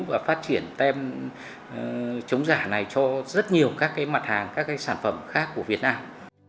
và phát triển tem chống giả này cho rất nhiều các mặt hàng các sản phẩm khác của việt nam